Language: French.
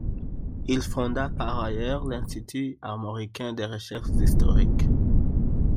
Il fonda par ailleurs l'Institut armoricain de recherches historiques.